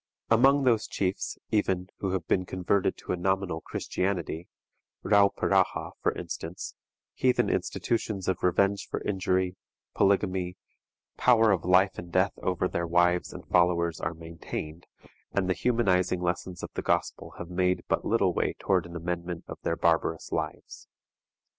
Among those chiefs, even, who have been converted to a nominal Christianity, Rauperaha for instance, heathen institutions of revenge for injury, polygamy, power of life and death over their wives and followers are maintained, and the humanizing lessons of the Gospel have made but little way toward an amendment of their barbarous lives.